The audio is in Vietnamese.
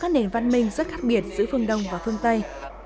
nền văn minh rất khác biệt giữa phương đông và phương tây